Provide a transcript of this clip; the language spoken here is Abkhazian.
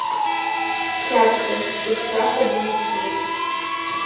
Дхьаԥшӡом, дышзахәо дыҩны дцоит.